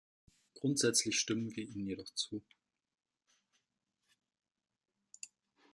Grundsätzlich stimmen wir Ihnen jedoch zu.